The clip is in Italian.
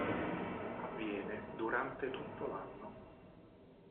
Avviene durante tutto l'anno.